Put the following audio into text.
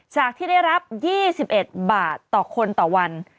จากที่ได้รับ๒๑บาทต่อคนต่อวัน